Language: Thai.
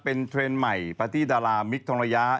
เป็นเทรนด์ใหม่ปาร์ตี้ดารามิคทองระยะ